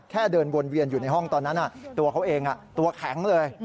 เดินวนเวียนอยู่ในห้องตอนนั้นตัวเขาเองตัวแข็งเลย